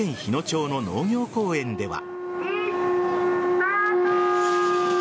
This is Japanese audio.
町の農業公園では。